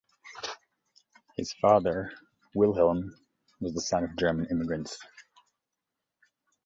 His father Wilhelm was the son of German immigrants.